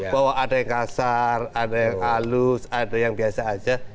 bahwa ada yang kasar ada yang halus ada yang biasa aja